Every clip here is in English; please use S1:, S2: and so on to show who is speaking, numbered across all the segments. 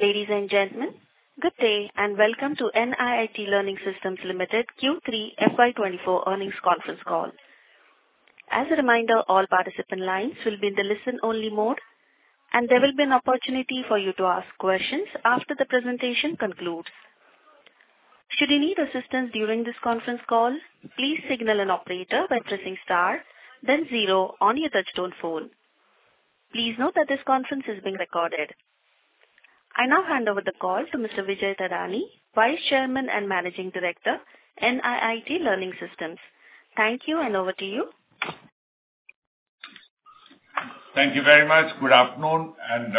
S1: Ladies and gentlemen, good day, and welcome to NIIT Learning Systems Limited Q3 FY 2024 earnings conference call. As a reminder, all participant lines will be in the listen-only mode, and there will be an opportunity for you to ask questions after the presentation concludes. Should you need assistance during this conference call, please signal an operator by pressing star, then zero on your touchtone phone. Please note that this conference is being recorded. I now hand over the call to Mr. Vijay Thadani, Vice Chairman and Managing Director, NIIT Learning Systems Limited. Thank you, and over to you.
S2: Thank you very much. Good afternoon, and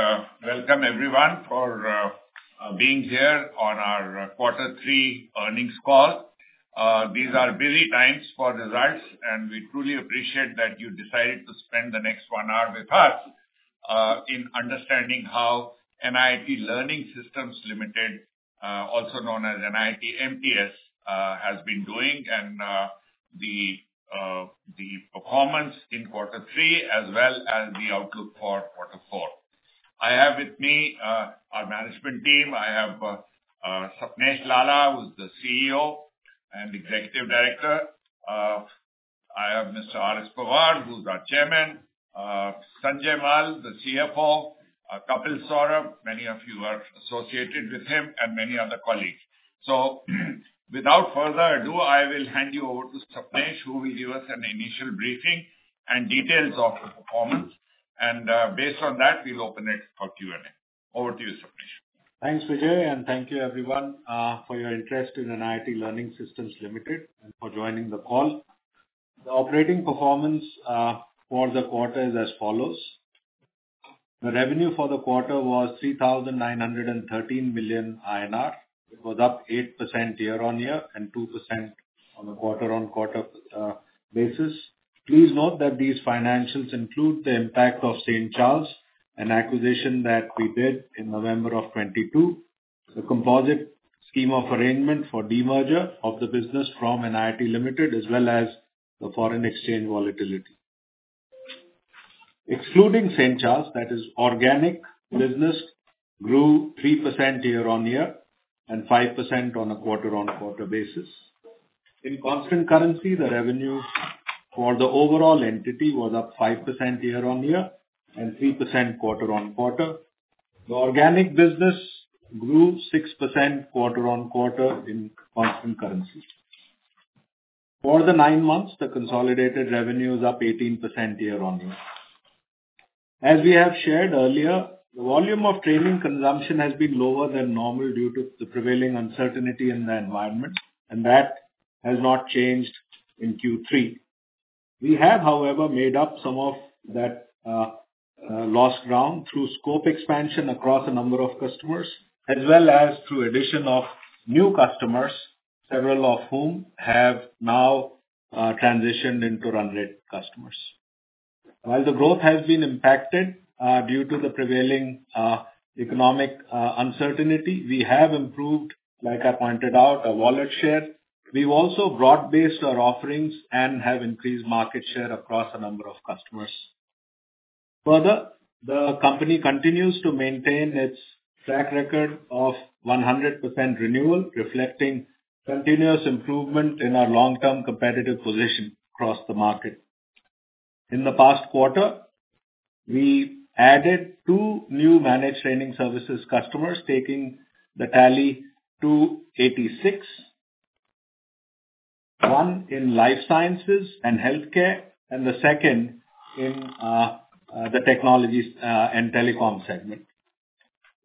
S2: welcome, everyone, for being here on our quarter three earnings call. These are busy times for results, and we truly appreciate that you decided to spend the next one hour with us in understanding how NIIT Learning Systems Limited, also known as NIIT MTS, has been doing, and the performance in quarter three as well as the outlook for quarter four. I have with me our management team. I have Sapnesh Lalla, who's the CEO and Executive Director. I have Mr. R.S. Pawar, who's our chairman, Sanjay Mal, the CFO, Kapil Saurabh, many of you are associated with him, and many other colleagues. So without further ado, I will hand you over to Sapnesh, who will give us an initial briefing and details of the performance, and based on that, we'll open it for Q&A. Over to you, Sapnesh.
S3: Thanks, Vijay, and thank you everyone, for your interest in NIIT Learning Systems Limited and for joining the call. The operating performance for the quarter is as follows: The revenue for the quarter was 3,913 million INR. It was up 8% year-on-year and 2% on a quarter-on-quarter basis. Please note that these financials include the impact of St. Charles, an acquisition that we did in November 2022, the composite scheme of arrangement for demerger of the business from NIIT Limited, as well as the foreign exchange volatility. Excluding St. Charles, that is, organic business grew 3% year-on-year and 5% on a quarter-on-quarter basis. In constant currency, the revenue for the overall entity was up 5% year-on-year and 3% quarter-on-quarter. The organic business grew 6% quarter-on-quarter in constant currency. For the nine months, the consolidated revenue is up 18% year-on-year. As we have shared earlier, the volume of training consumption has been lower than normal due to the prevailing uncertainty in the environment, and that has not changed in Q3. We have, however, made up some of that, lost ground through scope expansion across a number of customers, as well as through addition of new customers, several of whom have now, transitioned into run rate customers. While the growth has been impacted, due to the prevailing, economic, uncertainty, we have improved, like I pointed out, our wallet share. We've also broad-based our offerings and have increased market share across a number of customers. Further, the company continues to maintain its track record of 100% renewal, reflecting continuous improvement in our long-term competitive position across the market. In the past quarter, we added two new managed training services customers, taking the tally to 86. One in life sciences and healthcare, and the second in the technologies and telecom segment.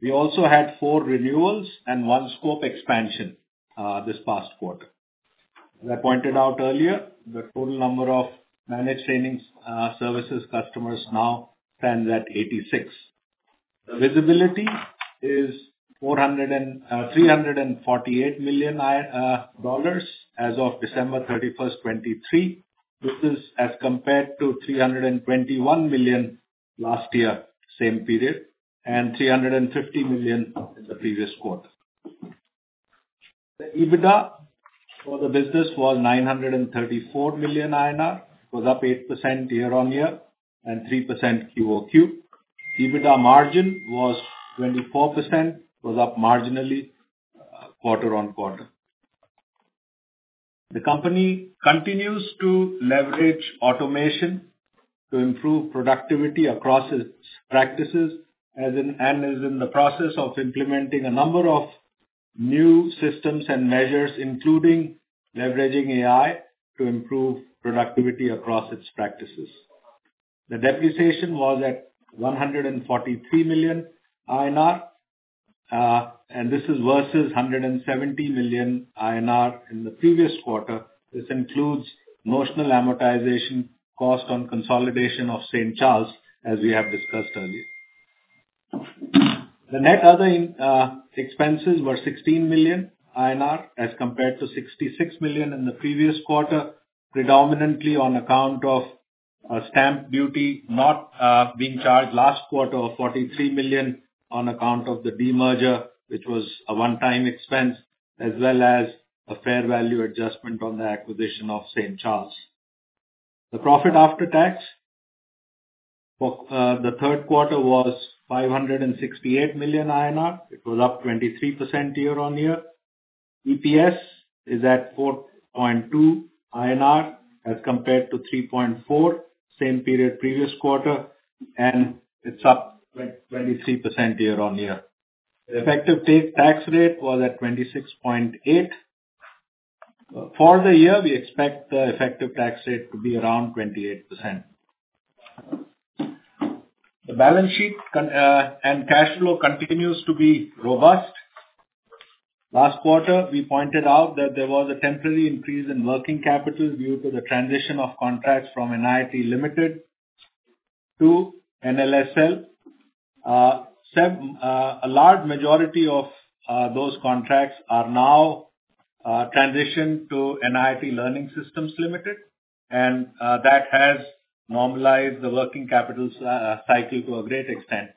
S3: We also had four renewals and one scope expansion this past quarter. As I pointed out earlier, the total number of managed training services customers now stands at 86. The visibility is $348 million as of December 31st, 2023. This is as compared to $321 million last year, same period, and $350 million in the previous quarter. The EBITDA for the business was 934 million INR, up 8% year-on-year and 3% QOQ. EBITDA margin was 24%, up marginally quarter-on-quarter. The company continues to leverage automation to improve productivity across its practices and is in the process of implementing a number of new systems and measures, including leveraging AI, to improve productivity across its practices. The depreciation was at 143 million INR, and this is versus 170 million INR in the previous quarter. This includes notional amortization cost on consolidation of St. Charles, as we have discussed earlier. The other expenses were 16 million INR, as compared to 66 million in the previous quarter, predominantly on account of a stamp duty not being charged last quarter of 43 million on account of the demerger, which was a one-time expense, as well as a fair value adjustment on the acquisition of St. Charles. The profit after tax for the third quarter was 568 million INR. It was up 23% year-on-year. EPS is at 4.2 INR, as compared to 3.4, same period previous quarter, and it's up 23% year-on-year. The effective tax rate was at 26.8%. For the year, we expect the effective tax rate to be around 28%. The balance sheet and cash flow continues to be robust. Last quarter, we pointed out that there was a temporary increase in working capital due to the transition of contracts from NIIT Limited to NLSL. A large majority of those contracts are now transitioned to NIIT Learning Systems Limited, and that has normalized the working capital cycle to a great extent.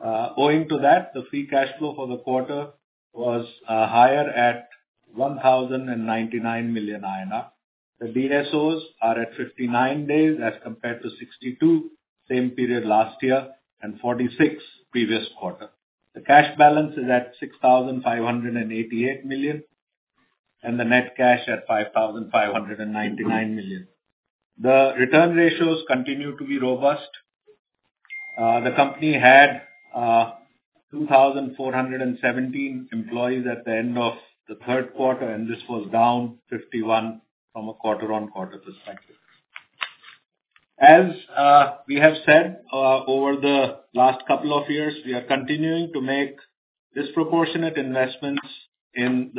S3: Owing to that, the free cash flow for the quarter was higher at 1,099 million INR. The DSOs are at 59 days, as compared to 62, same period last year, and 46 previous quarter. The cash balance is at 6,588 million, and the net cash at 5,599 million. The return ratios continue to be robust. The company had 2,417 employees at the end of the third quarter, and this was down 51 from a quarter-on-quarter perspective. As we have said over the last couple of years, we are continuing to make disproportionate investments in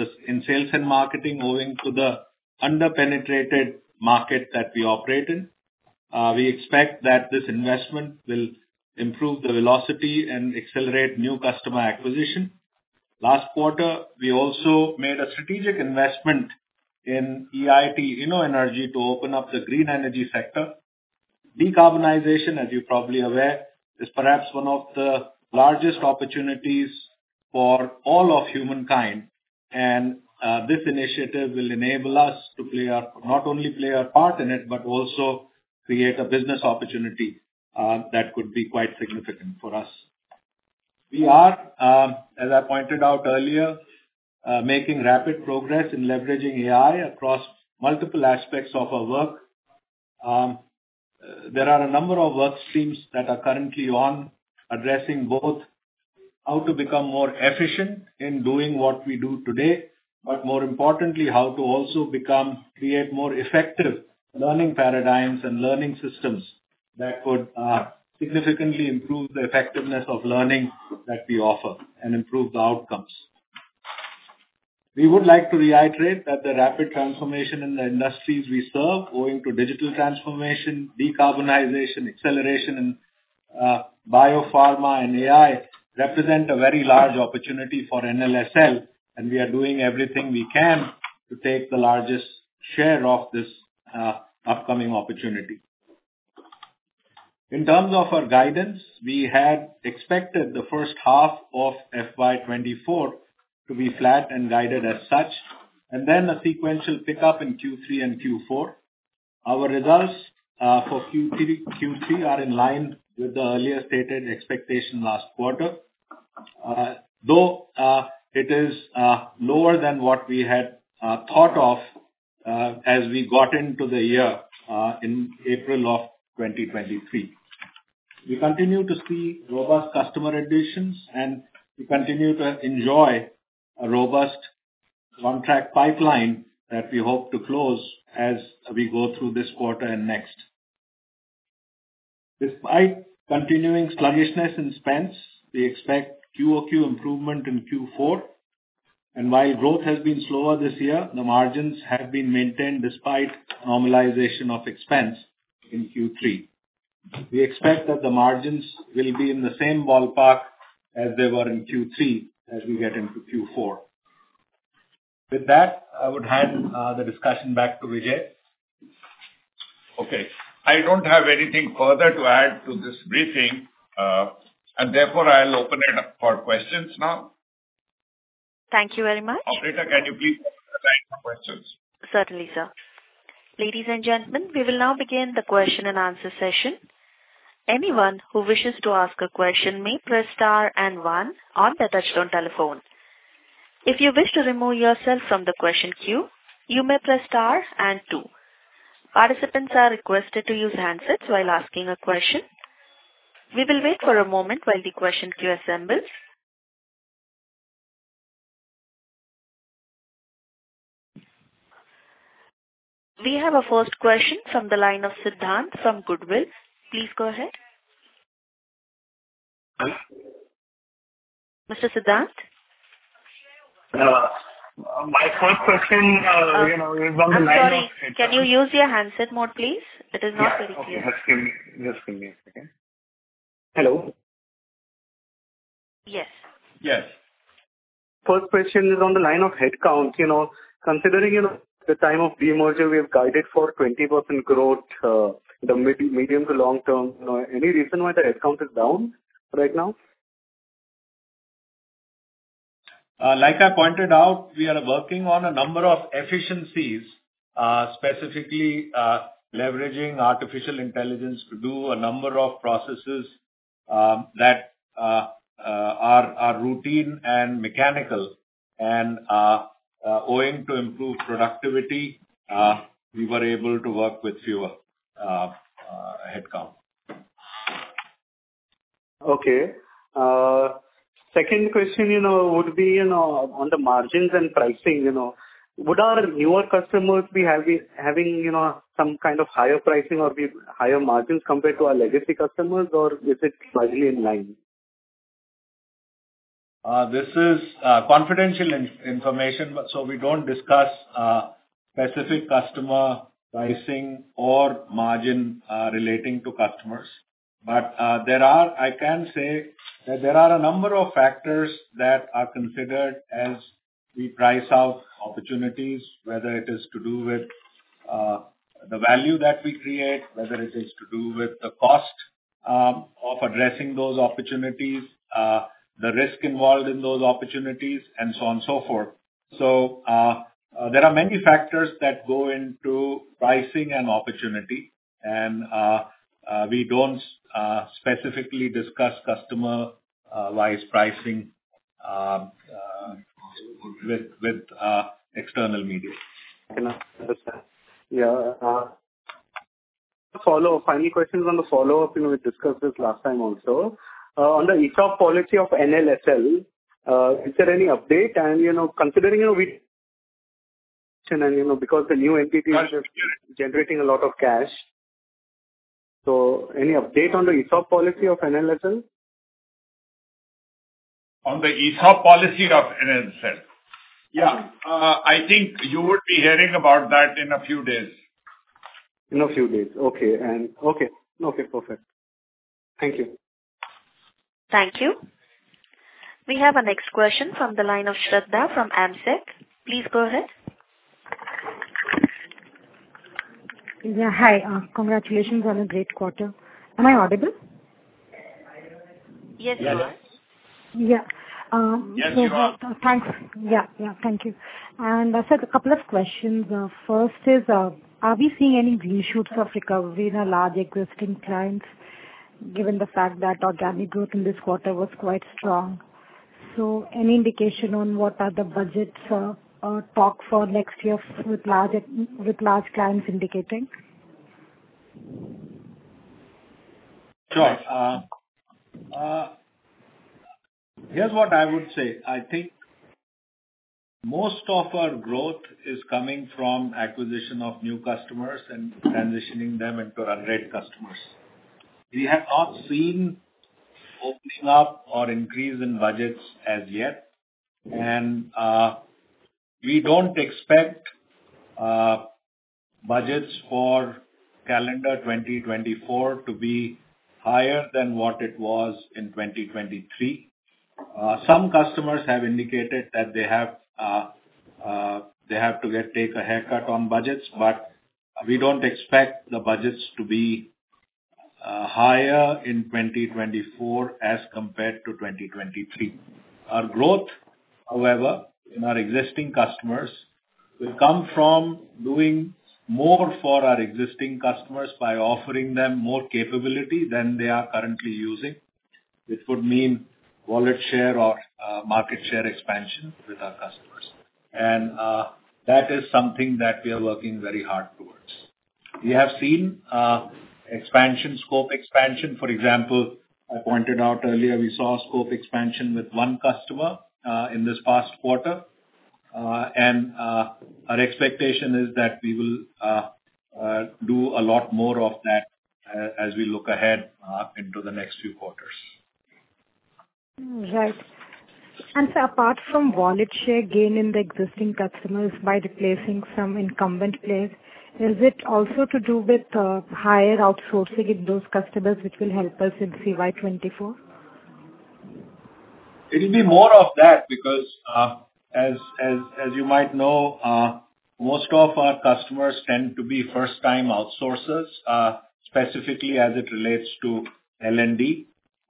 S3: sales and marketing, owing to the under-penetrated market that we operate in. We expect that this investment will improve the velocity and accelerate new customer acquisition. Last quarter, we also made a strategic investment in EIT InnoEnergy to open up the green energy sector. Decarbonization, as you're probably aware, is perhaps one of the largest opportunities for all of humankind, and this initiative will enable us to not only play our part in it, but also create a business opportunity that could be quite significant for us. We are, as I pointed out earlier, making rapid progress in leveraging AI across multiple aspects of our work. There are a number of work streams that are currently on, addressing both how to become more efficient in doing what we do today, but more importantly, how to also become, create more effective learning paradigms and learning systems that could significantly improve the effectiveness of learning that we offer and improve the outcomes. We would like to reiterate that the rapid transformation in the industries we serve, owing to digital transformation, decarbonization, acceleration in biopharma and AI, represent a very large opportunity for NLSL, and we are doing everything we can to take the largest share of this upcoming opportunity. In terms of our guidance, we had expected the first half of FY 2024 to be flat and guided as such, and then a sequential pickup in Q3 and Q4. Our results for Q3 are in line with the earlier stated expectation last quarter. Though it is lower than what we had thought of as we got into the year in April of 2023. We continue to see robust customer additions, and we continue to enjoy a robust contract pipeline that we hope to close as we go through this quarter and next. Despite continuing sluggishness in spends, we expect QOQ improvement in Q4, and while growth has been slower this year, the margins have been maintained despite normalization of expense in Q3. We expect that the margins will be in the same ballpark as they were in Q3 as we get into Q4. With that, I would hand the discussion back to Vijay.
S2: Okay, I don't have anything further to add to this briefing, and therefore I'll open it up for questions now.
S1: Thank you very much.
S2: Operator, can you please open the line for questions?
S1: Certainly, sir. Ladies and gentlemen, we will now begin the question-and-answer session. Anyone who wishes to ask a question may press star and one on the touch-tone telephone. If you wish to remove yourself from the question queue, you may press star and two. Participants are requested to use handsets while asking a question. We will wait for a moment while the question queue assembles. We have a first question from the line of Siddhant from Goodwill. Please go ahead.
S4: Hello?
S1: Mr. Siddhant?
S4: My first question, you know, is on the line of-
S1: I'm sorry, can you use your handset mode, please? It is not very clear.
S4: Yeah. Okay, just give me, just give me a second. Hello?
S1: Yes.
S4: Yes. First question is on the line of headcount. You know, considering, you know, the time of demerger, we have guided for 20% growth, the medium- to long-term. You know, any reason why the headcount is down right now?
S3: Like I pointed out, we are working on a number of efficiencies, specifically, leveraging artificial intelligence to do a number of processes that are routine and mechanical. And, owing to improved productivity, we were able to work with fewer headcount.
S4: Okay. Second question, you know, would be, you know, on the margins and pricing, you know. Would our newer customers be having, you know, some kind of higher pricing or be higher margins compared to our legacy customers, or is it slightly in line?
S3: This is confidential information, so we don't discuss specific customer pricing or margin relating to customers. But I can say that there are a number of factors that are considered as we price out opportunities, whether it is to do with the value that we create, whether it is to do with the cost of addressing those opportunities, the risk involved in those opportunities, and so on and so forth. So, there are many factors that go into pricing and opportunity, and we don't specifically discuss customer-wise pricing with external media.
S4: Okay, understand. Yeah, follow final question is on the follow-up, you know, we discussed this last time also. On the ESOP policy of NLSL, is there any update? And, you know, considering, you know, we and, you know, because the New Entity is generating a lot of cash. So any update on the ESOP policy of NLSL?
S3: On the ESOP policy of NLSL? Yeah. I think you would be hearing about that in a few days.
S4: In a few days. Okay. Okay. Okay, perfect. Thank you.
S1: Thank you. We have our next question from the line of Shraddha from AMSEC. Please go ahead.
S5: Yeah, hi. Congratulations on a great quarter. Am I audible?
S1: Yes, you are.
S3: Yes.
S5: Yeah. Um-
S3: Yes, you are.
S5: Thanks. Yeah, yeah. Thank you. And I said a couple of questions. First is, are we seeing any green shoots of recovery in our large existing clients, given the fact that organic growth in this quarter was quite strong? So any indication on what are the budgets, or talk for next year with large, with large clients indicating?
S3: Sure. Here's what I would say: I think most of our growth is coming from acquisition of new customers and transitioning them into our red customers. We have not seen opening up or increase in budgets as yet, and we don't expect budgets for calendar 2024 to be higher than what it was in 2023. Some customers have indicated that they have to take a haircut on budgets, but we don't expect the budgets to be higher in 2024 as compared to 2023. Our growth, however, in our existing customers, will come from doing more for our existing customers by offering them more capability than they are currently using, which would mean wallet share or market share expansion with our customers. And that is something that we are working very hard towards. We have seen expansion, scope expansion. For example, I pointed out earlier, we saw scope expansion with one customer in this past quarter. Our expectation is that we will do a lot more of that as we look ahead into the next few quarters.
S5: Right. Sir, apart from wallet share gain in the existing customers by replacing some incumbent players, is it also to do with higher outsourcing in those customers, which will help us in FY 2024?
S3: It'll be more of that because, as you might know, most of our customers tend to be first-time outsourcers, specifically as it relates to L&D.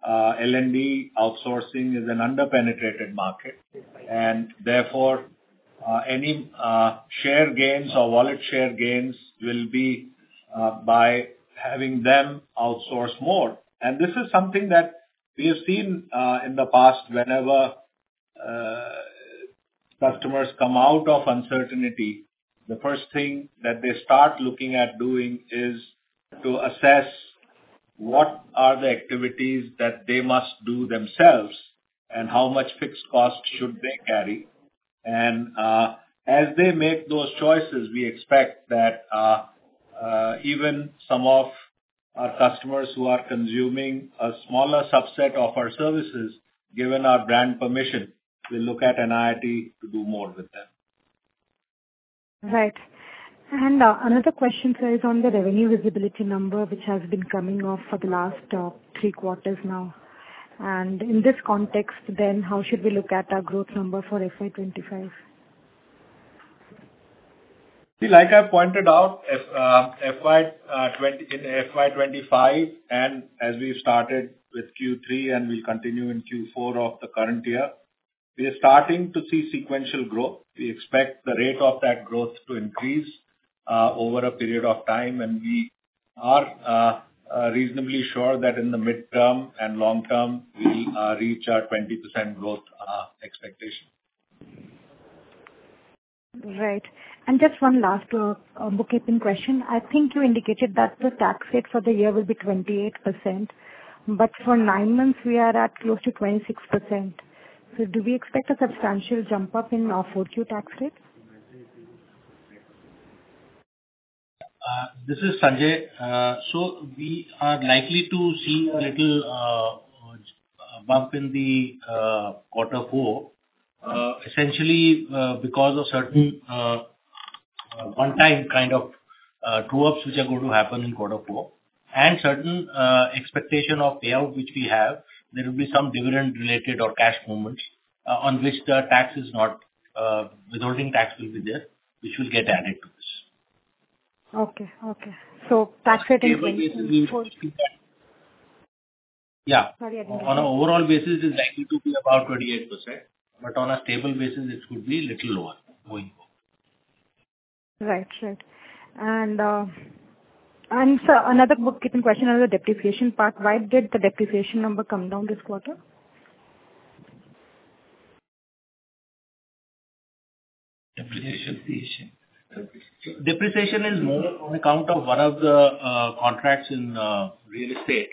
S3: L&D outsourcing is an under-penetrated market, and therefore, any share gains or wallet share gains will be by having them outsource more. And this is something that we have seen in the past. Whenever customers come out of uncertainty, the first thing that they start looking at doing is to assess what are the activities that they must do themselves and how much fixed cost should they carry. And, as they make those choices, we expect that even some of our customers who are consuming a smaller subset of our services, given our brand permission, will look at NIIT to do more with them.
S5: Right. And, another question, sir, is on the revenue visibility number, which has been coming off for the last three quarters now. And in this context, then, how should we look at our growth number for FY 2025?
S3: See, like I pointed out, if in FY 2024 in FY 2025, and as we started with Q3 and we continue in Q4 of the current year, we are starting to see sequential growth. We expect the rate of that growth to increase over a period of time, and we are reasonably sure that in the midterm and long term, we will reach our 20% growth expectation.
S5: Right. Just one last bookkeeping question. I think you indicated that the tax rate for the year will be 28%, but for nine months we are at close to 26%. So do we expect a substantial jump up in our fourth Q tax rate?
S6: This is Sanjay. So we are likely to see a little bump in the quarter four, essentially, because of certain one-time kind of true ups, which are going to happen in quarter four, and certain expectation of payout, which we have. There will be some dividend-related or cash movements, on which the tax is not, withholding tax will be there, which will get added to this.
S5: Okay. Okay. So tax rate increase in fourth-
S6: Yeah.
S5: Got it.
S6: On an overall basis, it's likely to be about 28%, but on a stable basis, it could be little lower going forward.
S5: Right. Right. And, and sir, another bookkeeping question on the depreciation part. Why did the depreciation number come down this quarter?
S3: Depreciation. Depreciation is more on account of one of the contracts in real estate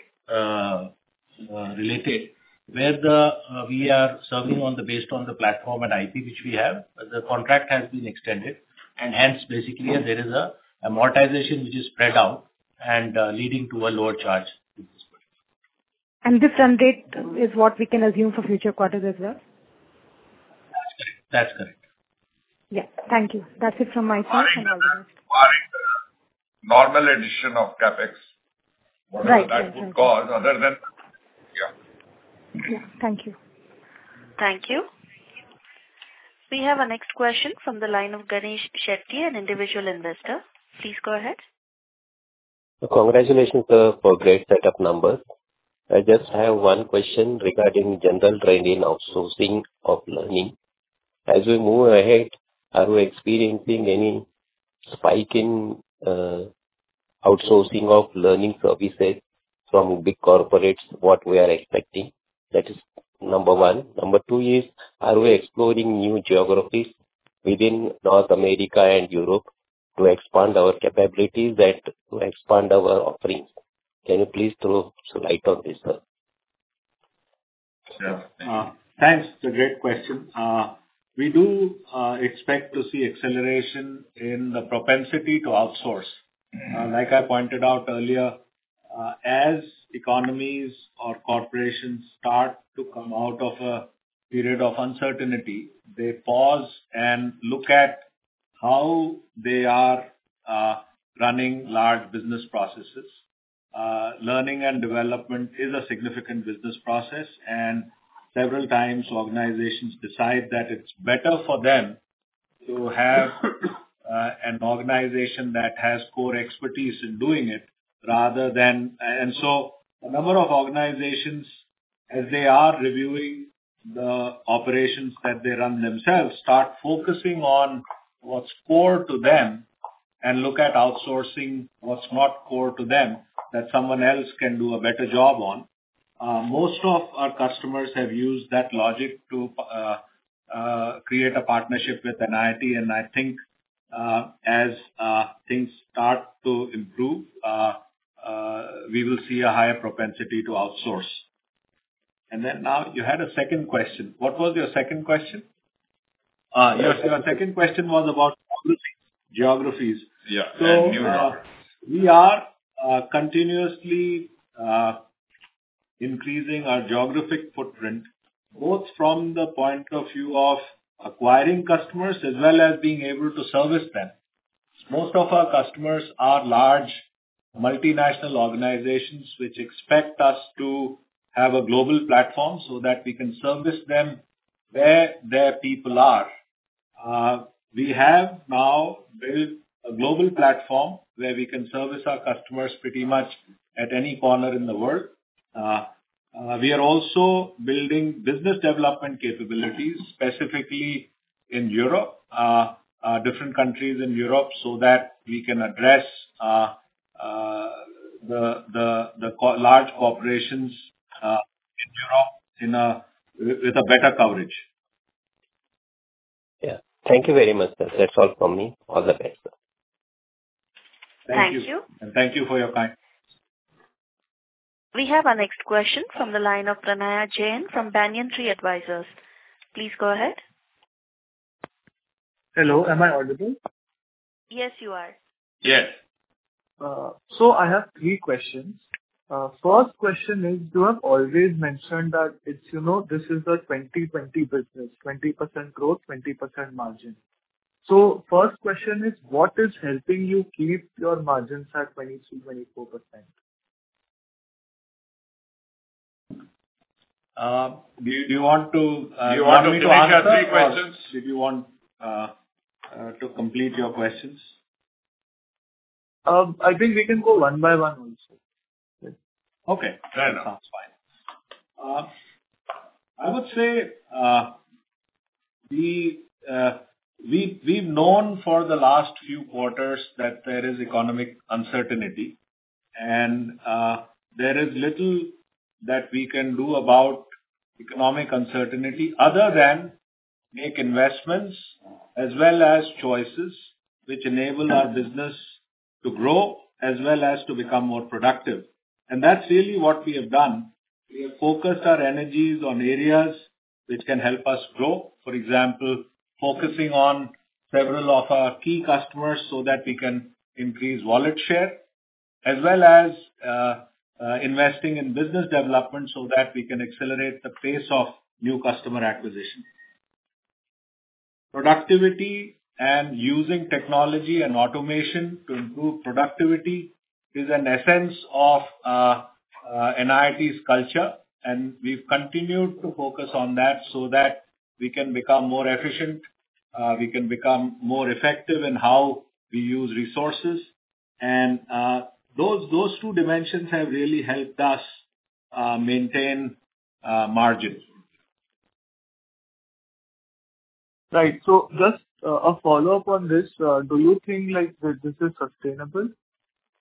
S3: related, where we are serving based on the platform and IP, which we have. The contract has been extended, and hence, basically, there is a amortization which is spread out and leading to a lower charge in this quarter.
S5: This trend rate is what we can assume for future quarters as well?
S6: That's correct.
S5: Yeah. Thank you. That's it from my side.
S3: Barring the normal addition of CapEx-
S5: Right.
S3: whatever that would cause other than... Yeah.
S5: Yeah. Thank you.
S1: Thank you. We have our next question from the line of Ganesh Shetty, an individual investor. Please go ahead.
S7: Congratulations, sir, for great set of numbers. I just have one question regarding general training, outsourcing of learning. As we move ahead, are we experiencing any spike in, outsourcing of learning services from big corporates what we are expecting? That is number one. Number two is, are we exploring new geographies within North America and Europe to expand our capabilities and to expand our offerings? Can you please throw some light on this, sir?
S3: Yeah. Thanks. It's a great question. We do expect to see acceleration in the propensity to outsource.
S7: Mm-hmm.
S3: Like I pointed out earlier, as economies or corporations start to come out of a period of uncertainty, they pause and look at how they are running large business processes. Learning and development is a significant business process, and several times organizations decide that it's better for them to have an organization that has core expertise in doing it rather than... And so a number of organizations, as they are reviewing the operations that they run themselves, start focusing on what's core to them and look at outsourcing what's not core to them, that someone else can do a better job on. Most of our customers have used that logic to create a partnership with NIIT. And I think, as things start to improve, we will see a higher propensity to outsource. And then now you had a second question. What was your second question? Yes, your second question was about geographies.
S7: Yeah, and new geographies.
S3: So, we are continuously increasing our geographic footprint, both from the point of view of acquiring customers as well as being able to service them. Most of our customers are large multinational organizations, which expect us to have a global platform so that we can service them where their people are. We have now built a global platform where we can service our customers pretty much at any corner in the world. We are also building business development capabilities, specifically in Europe, different countries in Europe, so that we can address the large corporations in Europe with a better coverage.
S7: Yeah. Thank you very much, sir. That's all from me. All the best, sir.
S1: Thank you.
S3: Thank you. Thank you for your time.
S1: We have our next question from the line of Pranaya Jain from Banyan Tree Advisors. Please go ahead.
S8: Hello, am I audible?
S1: Yes, you are.
S3: Yes.
S8: So I have three questions. First question is, you have always mentioned that it's, you know, this is a 20/20 business, 20% growth, 20% margin. So first question is: What is helping you keep your margins at 20%-24%?
S3: Do you want me to answer-
S2: Do you want me to answer three questions?
S3: If you want to complete your questions.
S8: I think we can go one by one also.
S3: Okay.
S2: Fair enough.
S3: Sounds fine. I would say, we've known for the last few quarters that there is economic uncertainty, and there is little that we can do about economic uncertainty other than make investments as well as choices which enable our business to grow as well as to become more productive. That's really what we have done. We have focused our energies on areas which can help us grow. For example, focusing on several of our key customers so that we can increase wallet share, as well as investing in business development so that we can accelerate the pace of new customer acquisition. Productivity and using technology and automation to improve productivity is an essence of NIIT's culture, and we've continued to focus on that so that we can become more efficient, we can become more effective in how we use resources. Those two dimensions have really helped us maintain margins.
S8: Right. So just a follow-up on this. Do you think, like, that this is sustainable,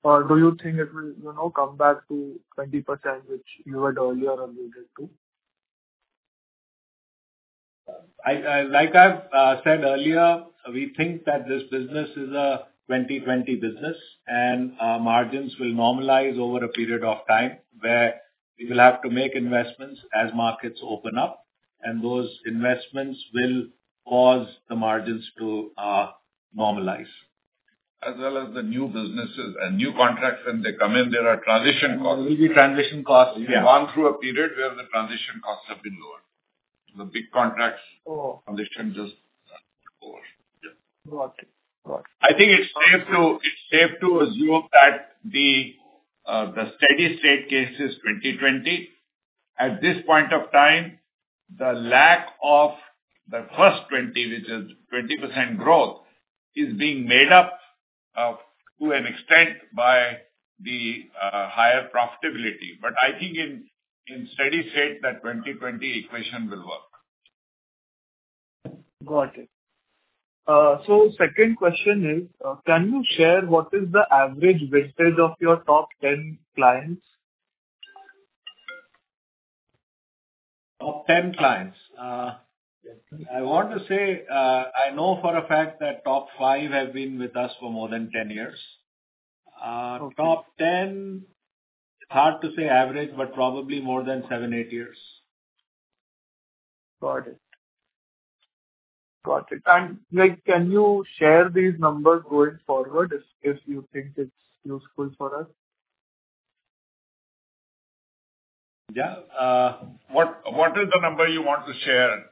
S8: or do you think it will, you know, come back to 20%, which you had earlier alluded to?
S3: Like I've said earlier, we think that this business is a 20/20 business, and margins will normalize over a period of time, where we will have to make investments as markets open up, and those investments will cause the margins to normalize.
S2: As well as the new businesses and new contracts, when they come in, there are transition costs.
S8: There will be transition costs, yeah.
S2: We've gone through a period where the transition costs have been lower. The big contracts-
S8: Oh.
S2: Transition just over. Yeah.
S8: Got it. Got it.
S3: I think it's safe to, it's safe to assume that the steady state case is 20/20. At this point of time, the lack of the first 20, which is 20% growth, is being made up to an extent by the higher profitability. But I think in steady state, that 20/20 equation will work.
S8: Got it. So second question is, can you share what is the average vintage of your top 10 clients?
S3: Top 10 clients?
S8: Yes.
S3: I want to say, I know for a fact that top five have been with us for more than 10 years.
S8: Okay.
S3: Top ten, hard to say average, but probably more than seven-eight years.
S8: Got it. Got it. And, like, can you share these numbers going forward, if, if you think it's useful for us?
S3: Yeah. What is the number you want to share,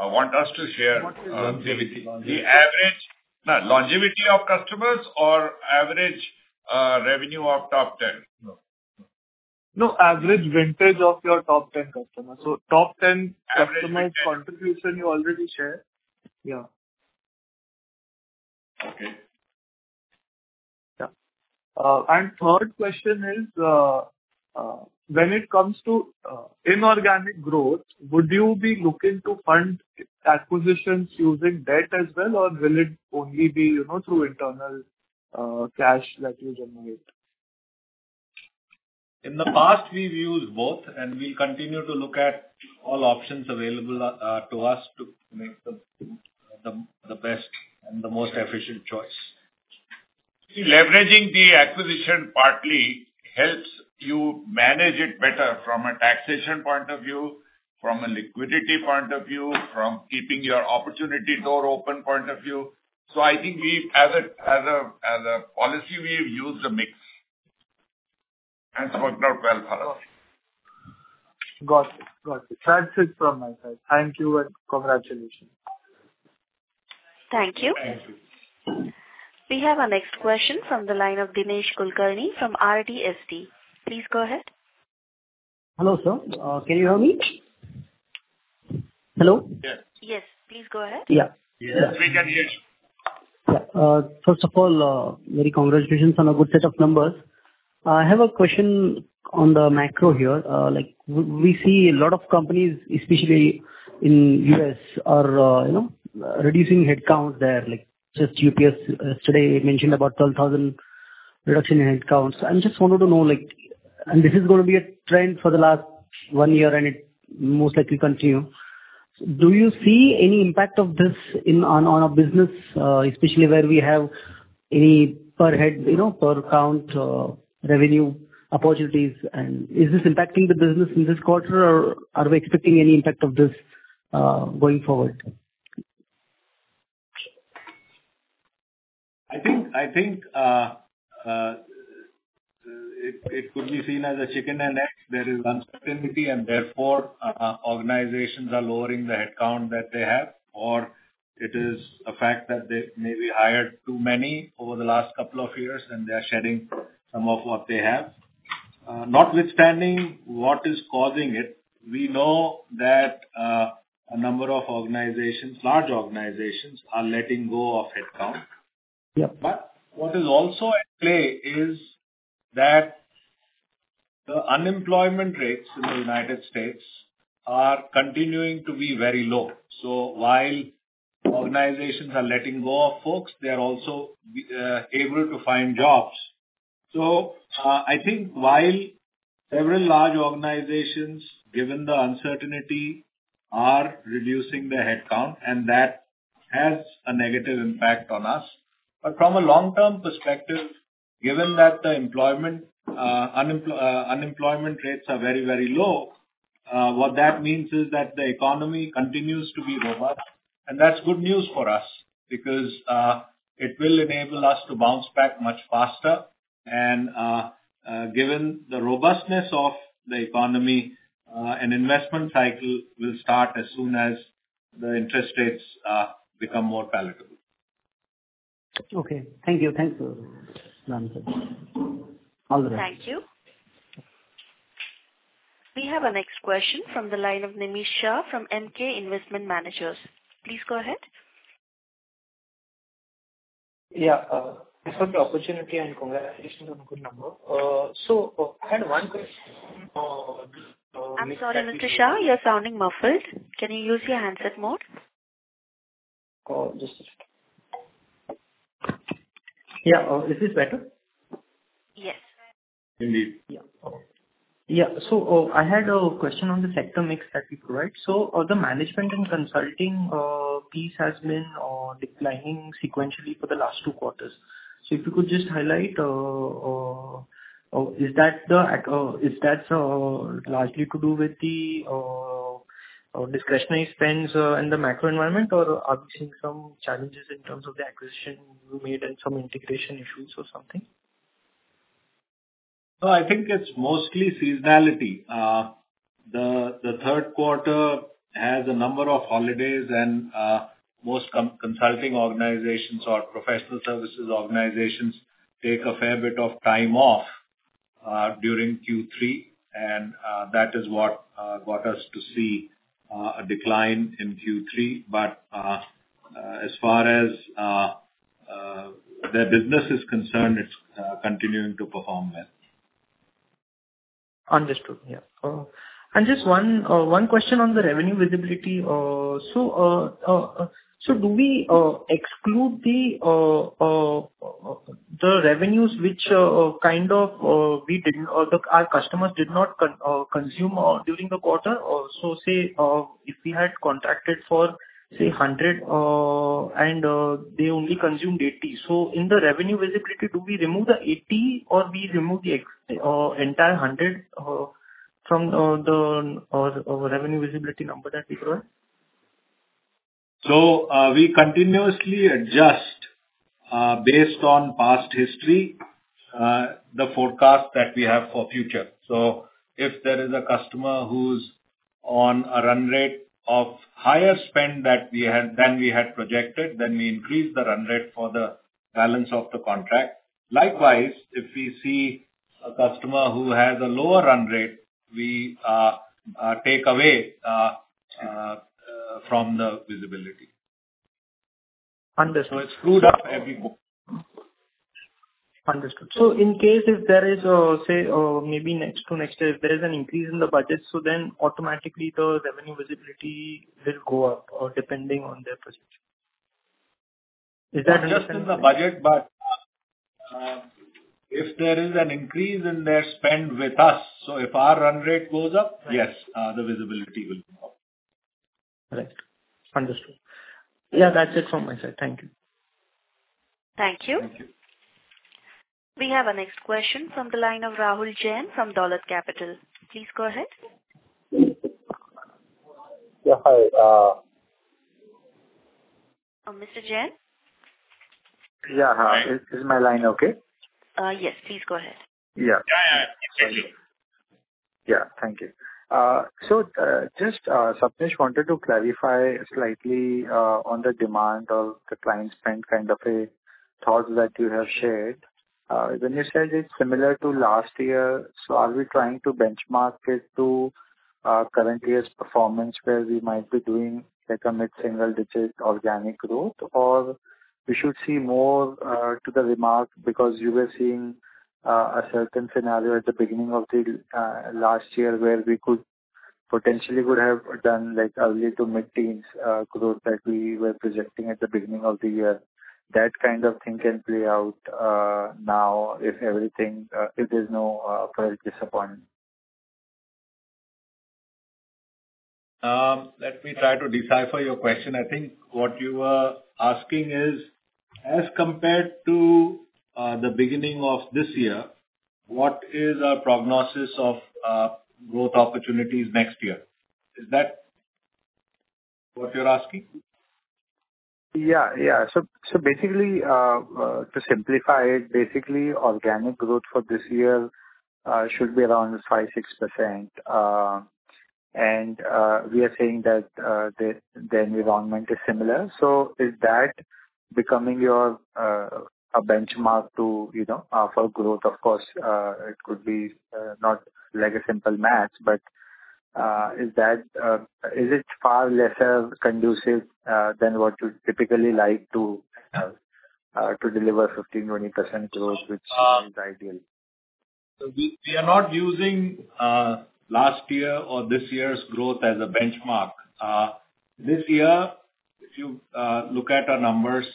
S3: or want us to share-
S8: Longevity.
S3: The average... No, longevity of customers or average revenue of top ten?
S2: No.
S8: No, average vintage of your top 10 customers. So top 10 customers-
S3: Average vintage.
S8: contribution you already shared. Yeah.
S3: Okay.
S8: Yeah. And third question is, when it comes to inorganic growth, would you be looking to fund acquisitions using debt as well, or will it only be, you know, through internal cash that you generate?
S3: In the past, we've used both, and we continue to look at all options available, to us to make the best and the most efficient choice.
S2: Leveraging the acquisition partly helps you manage it better from a taxation point of view, from a liquidity point of view, from keeping your opportunity door open point of view. So I think we've, as a policy, we've used a mix, and it's worked out well for us.
S8: Got it. Got it. That's it from my side. Thank you and congratulations.
S1: Thank you.
S2: Thank you.
S1: We have our next question from the line of Dinesh Kulkarni from RDST. Please go ahead.
S9: Hello, sir. Can you hear me? Hello?
S3: Yes.
S1: Yes. Please go ahead.
S9: Yeah.
S3: Yes, we can hear you.
S9: Yeah. First of all, very congratulations on a good set of numbers. I have a question on the macro here. Like, we see a lot of companies, especially in U.S., are, you know, reducing headcount there. Like, just UPS yesterday mentioned about 12,000 reduction in headcounts. I just wanted to know, like, and this is gonna be a trend for the last one year, and it most likely continue. Do you see any impact of this in, on, on our business, especially where we have any per head, you know, per count, revenue opportunities? And is this impacting the business in this quarter, or are we expecting any impact of this, going forward?
S3: I think it could be seen as a chicken and egg. There is uncertainty, and therefore organizations are lowering the headcount that they have. It is a fact that they maybe hired too many over the last couple of years, and they are shedding some of what they have. Notwithstanding what is causing it, we know that a number of organizations, large organizations, are letting go of headcount.
S9: Yeah.
S3: But what is also at play is that the unemployment rates in the United States are continuing to be very low. So while organizations are letting go of folks, they're also able to find jobs. So, I think while several large organizations, given the uncertainty, are reducing their headcount, and that has a negative impact on us. But from a long-term perspective, given that the employment, unemployment rates are very, very low, what that means is that the economy continues to be robust, and that's good news for us. Because, it will enable us to bounce back much faster. And, given the robustness of the economy, an investment cycle will start as soon as the interest rates become more palatable.
S9: Okay. Thank you. Thanks for answering. All the best.
S1: Thank you. We have our next question from the line of Nemish Shah from Emkay Investment Managers. Please go ahead.
S10: Yeah, this is an opportunity, I think, at least a good number. So, I had one question,
S1: I'm sorry, Mr. Shah, you're sounding muffled. Can you use your handset mode?
S10: Just a second. Yeah, is this better?
S1: Yes.
S3: Indeed.
S10: Yeah. Yeah. So, I had a question on the sector mix that you provide. So, the management and consulting piece has been declining sequentially for the last two quarters. So if you could just highlight, is that largely to do with the discretionary spends and the macro environment, or are we seeing some challenges in terms of the acquisition you made and some integration issues or something?
S3: No, I think it's mostly seasonality. The third quarter has a number of holidays, and most consulting organizations or professional services organizations take a fair bit of time off during Q3, and that is what got us to see a decline in Q3. But as far as their business is concerned, it's continuing to perform well.
S10: Understood. Yeah. And just one question on the revenue visibility. So do we exclude the revenues which kind of we didn't or our customers did not consume during the quarter? So say, if we had contracted for, say, $100 and they only consumed $80. So in the revenue visibility, do we remove the $80 or we remove the entire $100 from the revenue visibility number that we grow?
S3: So, we continuously adjust, based on past history, the forecast that we have for future. So if there is a customer who's on a run rate of higher spend that we had, than we had projected, then we increase the run rate for the balance of the contract. Likewise, if we see a customer who has a lower run rate, we take away from the visibility.
S10: Understood.
S3: Exclude everyone.
S10: Understood. So in case if there is, say, maybe next to next year, if there is an increase in the budget, so then automatically the revenue visibility will go up, depending on their position. Is that?
S3: Just in the budget, but if there is an increase in their spend with us, so if our run rate goes up-
S10: Right.
S3: Yes, the visibility will go up.
S10: Correct. Understood. Yeah, that's it from my side. Thank you.
S1: Thank you.
S3: Thank you.
S1: We have our next question from the line of Rahul Jain from Dolat Capital. Please go ahead.
S11: Yeah, hi.
S1: Mr. Jain?
S11: Yeah, hi. Is my line okay?
S1: Yes, please go ahead.
S11: Yeah.
S3: Yeah, yeah. Excellent.
S11: Yeah. Thank you. So, just, Sapnesh, wanted to clarify slightly on the demand of the client spend, kind of a thought that you have shared. When you said it's similar to last year, so are we trying to benchmark it to current year's performance, where we might be doing, like, a mid-single digit organic growth? Or we should see more to the remark because you were seeing a certain scenario at the beginning of the last year, where we could potentially would have done, like, early to mid-teens growth that we were projecting at the beginning of the year. That kind of thing can play out now if everything, if there's no further disappointment.
S3: Let me try to decipher your question. I think what you are asking is, as compared to, the beginning of this year, what is our prognosis of, growth opportunities next year? Is that what you're asking?
S11: Yeah, yeah. So, so basically, to simplify it, basically, organic growth for this year should be around 5%-6%. And we are saying that the environment is similar. So is that becoming your a benchmark to, you know, offer growth? Of course, it could be not like a simple math, but is that is it far lesser conducive than what you would typically like to to deliver 15%-20% growth, which is ideal?
S3: So we are not using last year or this year's growth as a benchmark. This year, if you look at our numbers,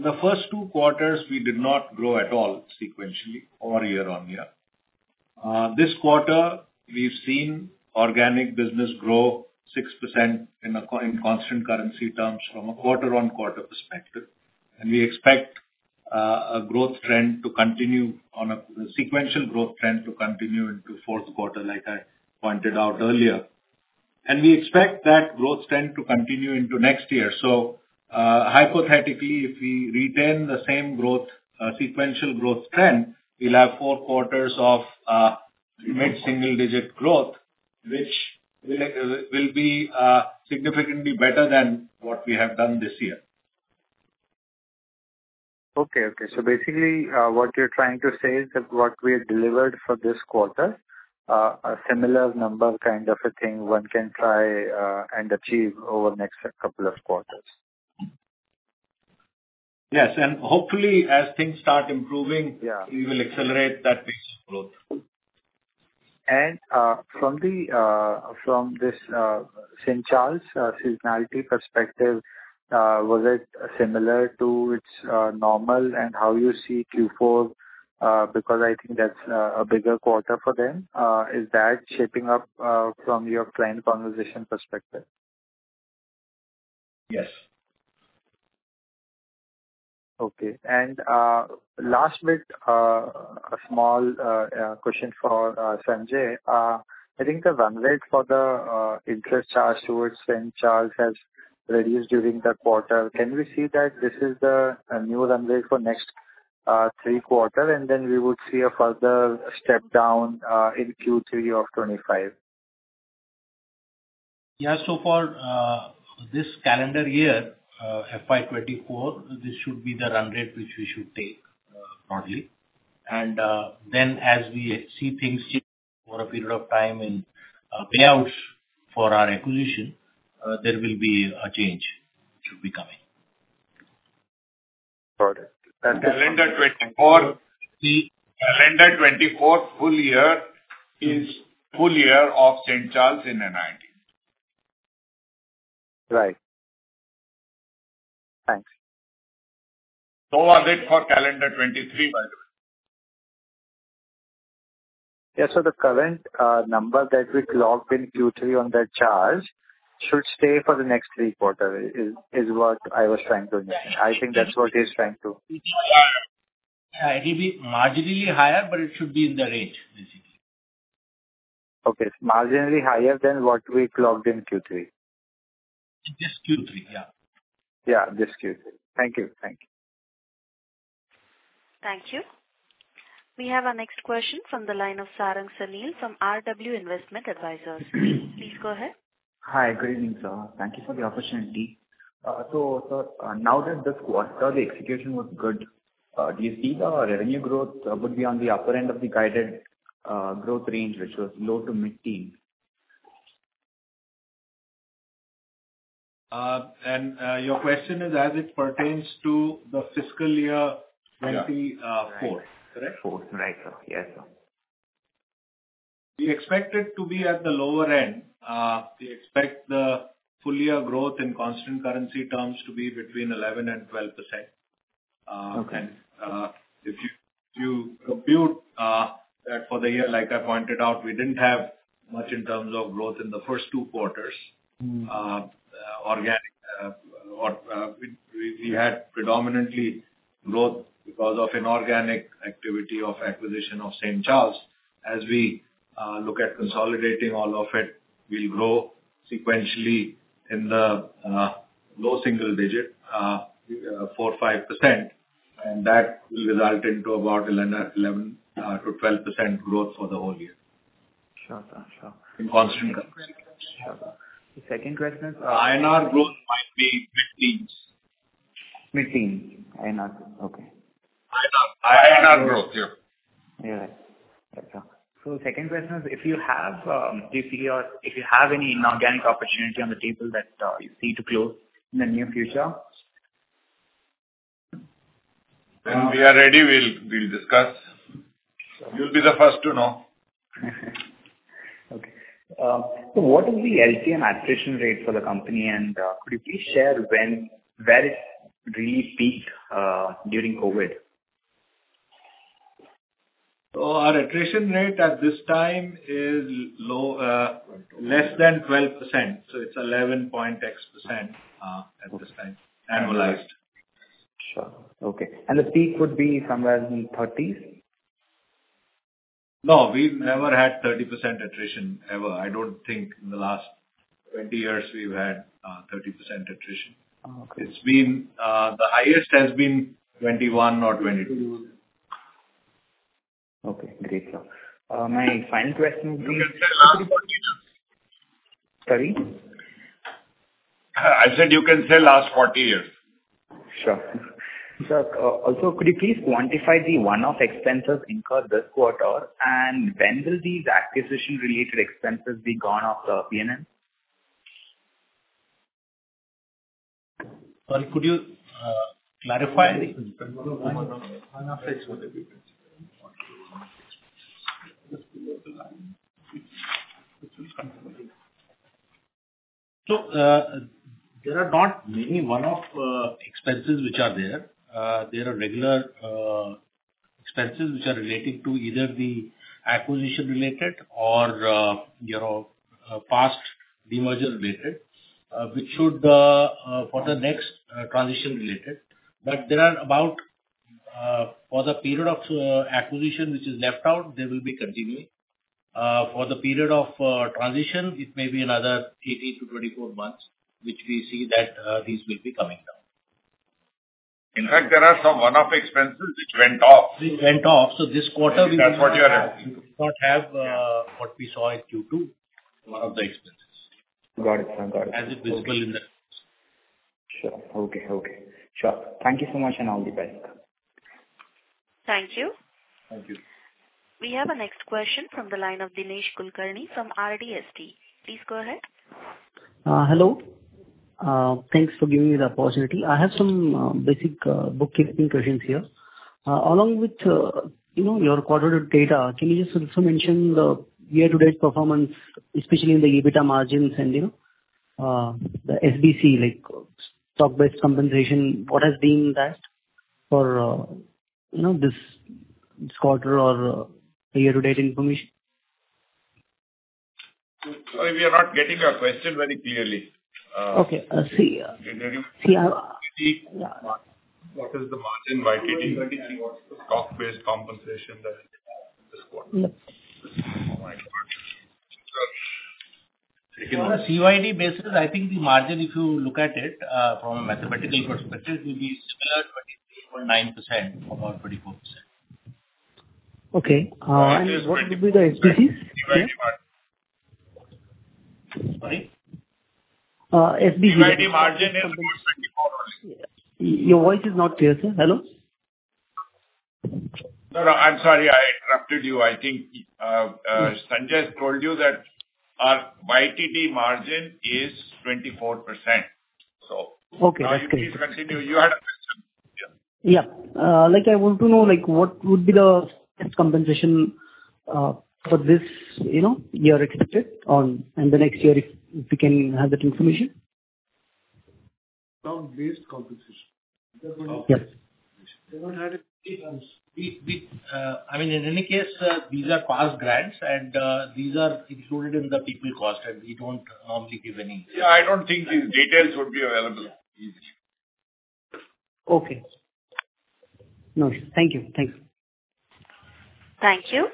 S3: the first two quarters, we did not grow at all sequentially or year-over-year. This quarter, we've seen organic business grow 6% in constant currency terms from a quarter-over-quarter perspective. And we expect a growth trend to continue on a sequential growth trend to continue into fourth quarter, like I pointed out earlier. And we expect that growth trend to continue into next year. So, hypothetically, if we retain the same growth sequential growth trend, we'll have four quarters of mid-single digit growth, which will be significantly better than what we have done this year.
S11: Okay. Okay. So basically, what you're trying to say is that what we have delivered for this quarter, a similar number, kind of a thing, one can try, and achieve over the next couple of quarters?
S3: Yes, and hopefully, as things start improving-
S11: Yeah.
S3: We will accelerate that pace of growth.
S11: From this St. Charles seasonality perspective, was it similar to its normal and how you see Q4? Because I think that's a bigger quarter for them. Is that shaping up from your client conversation perspective?
S3: Yes.
S11: Okay. Last bit, a small question for Sanjay. I think the run rate for the interest charged towards St. Charles has reduced during the quarter. Can we see that this is the new run rate for next three quarter, and then we would see a further step down in Q3 of 2025?
S6: Yeah. So for this calendar year, FY 2024, this should be the run rate, which we should take broadly. And then as we see things shift for a period of time and payouts for our acquisition, there will be a change should be coming.
S11: Got it.
S3: Calendar 2024, the calendar 2024 full year is full year of St. Charles in NIIT.
S11: Right. Thanks.
S3: Was it for calendar 2023, by the way?
S11: Yeah. So the current number that we clocked in Q3 on that charge should stay for the next three quarter is what I was trying to understand. I think that's what he's trying to...
S6: It will be marginally higher, but it should be in the range, basically.
S11: Okay. Marginally higher than what we clocked in Q3.
S6: Just Q3. Yeah.
S11: Yeah, just Q3. Thank you. Thank you.
S1: Thank you. We have our next question from the line of Sarang Sanil from RW Investment Advisors. Please go ahead.
S12: Hi. Good evening, sir. Thank you for the opportunity. So, sir, now that this quarter, the execution was good, do you see the revenue growth would be on the upper end of the guided growth range, which was low to mid-teen?
S3: your question is, as it pertains to the fiscal year-
S12: Yeah.
S3: 2024, correct?
S12: Right, sir. Yes, sir.
S3: We expect it to be at the lower end. We expect the full year growth in constant currency terms to be between 11% and 12%.
S12: Okay.
S3: If you compute that for the year, like I pointed out, we didn't have much in terms of growth in the first two quarters.
S12: Mm.
S3: Organic or we had predominantly growth because of inorganic activity of acquisition of St. Charles. As we look at consolidating all of it, we'll grow sequentially in the low single-digit 4%-5%, and that will result into about 11%-12% growth for the whole year.
S12: Sure, sir. Sure.
S3: In constant currency.
S12: The second question is,
S3: INR growth might be mid-teens.
S12: Mid-teens, INR. Okay.
S3: INR growth, yeah.
S12: Yeah. Right, sir. So the second question is, if you have this year, if you have any inorganic opportunity on the table that you see to close in the near future?
S3: When we are ready, we'll discuss.
S12: Sure.
S3: You'll be the first to know.
S12: Okay. So what is the LTM attrition rate for the company? And, could you please share when where it really peaked, during COVID?
S3: Our attrition rate at this time is low, less than 12%, so it's 11.x% at this time, annualized.
S12: Sure. Okay. And the peak would be somewhere in 30%s?
S3: No, we've never had 30% attrition ever. I don't think in the last 20 years, we've had 30% attrition.
S12: Oh, okay.
S6: It's been, the highest has been 21 or 22.
S12: Okay, great, sir. My final question is-
S6: You can say last 40 years.
S12: Sorry?
S6: I said you can say last 40 years.
S12: Sure. Sir, also, could you please quantify the one-off expenses incurred this quarter, and when will the acquisition-related expenses be gone off the PNL?
S6: Well, could you clarify? So, there are not many one-off expenses which are there. There are regular expenses which are relating to either the acquisition-related or, you know, past demerger-related, which should for the next transition-related. But there are about for the period of acquisition which is left out, they will be continuing. For the period of transition, it may be another 18 months-24 months, which we see that this will be coming down.
S2: In fact, there are some one-off expenses which went off.
S6: Which went off, so this quarter-
S2: That's what you are asking.
S6: Do not have what we saw in Q2, one of the expenses.
S13: Got it. I got it.
S6: As is visible in the-
S12: Sure. Okay, okay. Sure. Thank you so much, and all the best.
S1: Thank you.
S2: Thank you.
S1: We have our next question from the line of Dinesh Kulkarni from RDST. Please go ahead.
S9: Hello. Thanks for giving me the opportunity. I have some basic bookkeeping questions here. Along with, you know, your quarterly data, can you just also mention the year-to-date performance, especially in the EBITDA margins and, you know, the SBC, like, stock-based compensation, what has been that for, you know, this quarter or year-to-date information?
S2: Sorry, we are not getting your question very clearly.
S9: Okay, see-
S2: Can you repeat?
S6: What is the margin by TTD and what's the stock-based compensation that is in this quarter?
S9: Yep.
S6: On a CYD basis, I think the margin, if you look at it, from a mathematical perspective, will be similar, 23.9% or about 24%.
S9: Okay. And what will be the SBC?
S2: Sorry?
S9: Uh, SBC.
S2: CYD margin is 0.24.
S9: Your voice is not clear, sir. Hello?
S2: No, no, I'm sorry I interrupted you. I think, Sanjay told you that our YTD margin is 24%, so-
S9: Okay.
S2: Now, you please continue. You had a question? Yeah.
S9: Yeah. Like, I want to know, like, what would be the compensation for this, you know, year expected on and the next year, if you can have that information.
S6: Stock-based compensation.
S9: Yes.
S6: We, I mean, in any case, these are past grants, and these are included in the people cost, and we don't normally give any-
S2: Yeah, I don't think these details would be available.
S9: Okay. No, thank you. Thank you.
S1: Thank you.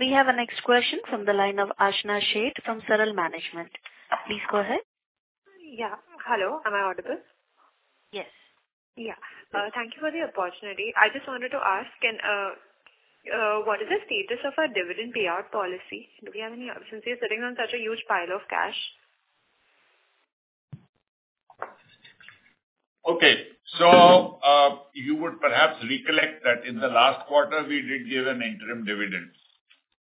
S1: We have our next question from the line of Ashna Sheth from Serall Management. Please go ahead.
S13: Yeah. Hello, am I audible?
S1: Yes.
S13: Yeah. Thank you for the opportunity. I just wanted to ask what is the status of our dividend payout policy? Do we have any updates, since you're sitting on such a huge pile of cash?
S2: Okay. So, you would perhaps recollect that in the last quarter, we did give an interim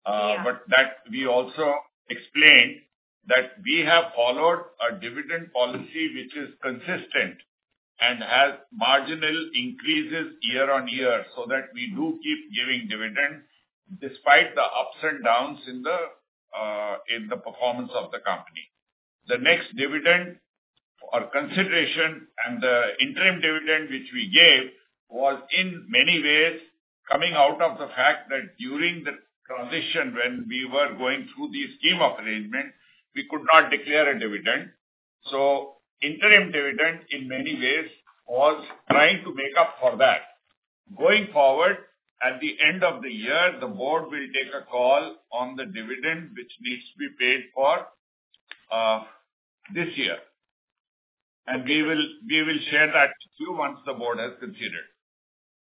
S2: dividend.
S13: Yeah.
S2: But that we also explained that we have followed a dividend policy which is consistent and has marginal increases year-over-year, so that we do keep giving dividends despite the ups and downs in the performance of the company. The next dividend, for consideration and the interim dividend which we gave, was in many ways coming out of the fact that during the transition when we were going through the scheme of arrangement, we could not declare a dividend. So interim dividend, in many ways, was trying to make up for that. Going forward, at the end of the year, the board will take a call on the dividend which needs to be paid for this year, and we will, we will share that to you once the board has considered.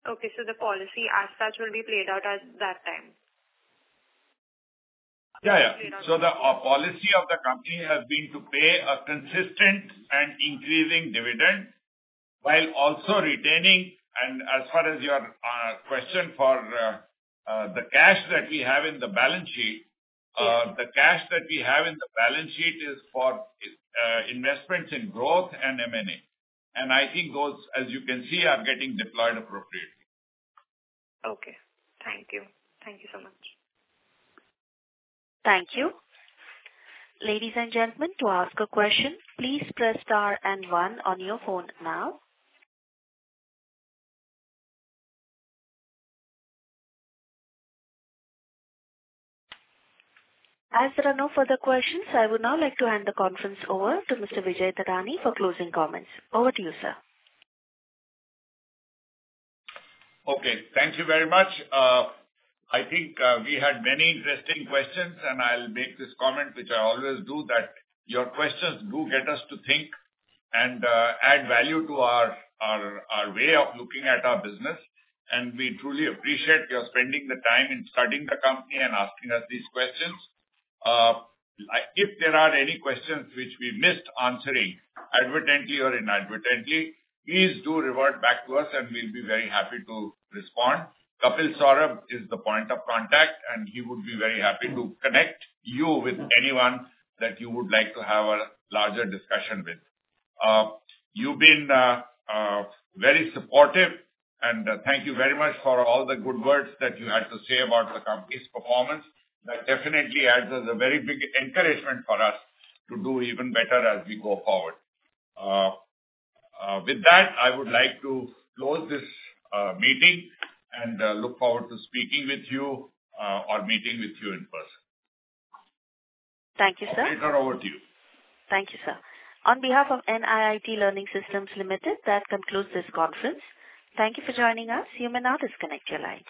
S13: Okay, so the policy as such will be played out at that time?
S2: Yeah, yeah.
S13: Okay.
S2: So the policy of the company has been to pay a consistent and increasing dividend while also retaining... And as far as your question for the cash that we have in the balance sheet, the cash that we have in the balance sheet is for investments in growth and M&A. And I think those, as you can see, are getting deployed appropriately.
S13: Okay. Thank you. Thank you so much.
S1: Thank you. Ladies and gentlemen, to ask a question, please press star and one on your phone now. As there are no further questions, I would now like to hand the conference over to Mr. Vijay Thadani for closing comments. Over to you, sir.
S2: Okay. Thank you very much. I think we had many interesting questions, and I'll make this comment, which I always do, that your questions do get us to think and add value to our way of looking at our business, and we truly appreciate your spending the time in studying the company and asking us these questions. If there are any questions which we missed answering, inadvertently or inadvertently, please do revert back to us, and we'll be very happy to respond. Kapil Saurabh is the point of contact, and he would be very happy to connect you with anyone that you would like to have a larger discussion with. You've been very supportive, and thank you very much for all the good words that you had to say about the company's performance. That definitely adds as a very big encouragement for us to do even better as we go forward. With that, I would like to close this meeting and look forward to speaking with you or meeting with you in person.
S1: Thank you, sir.
S2: Over to you.
S1: Thank you, sir. On behalf of NIIT Learning Systems Limited, that concludes this conference. Thank you for joining us. You may now disconnect your lines.